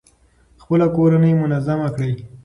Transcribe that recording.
خپله کورنۍ منظمه کړئ.